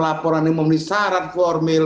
laporan yang memiliki syarat formil